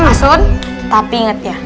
nah asun tapi inget ya